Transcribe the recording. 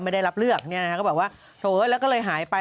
ไม่ได้รับเลือกก็บอกว่าโผล่แล้วก็เลยหายไป